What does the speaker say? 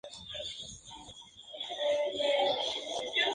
Casi todos ellos proceden de explotación industrial: avicultura.